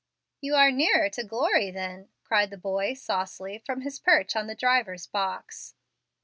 "You are near to 'glory' then," cried the boy saucily, from his perch on the driver's box.